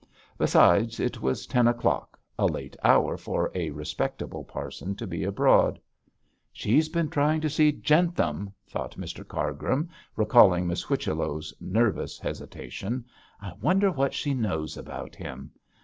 Besides, it was ten o'clock a late hour for a respectable parson to be abroad. 'She's been trying to see Jentham,' thought Mr Cargrim, recalling Miss Whichello's nervous hesitation. 'I wonder what she knows about him.